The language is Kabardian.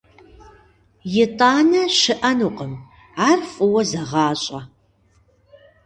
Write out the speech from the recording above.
«ИтӀанэ» щыӀэнукъым, ар фӀыуэ зэгъащӀэ!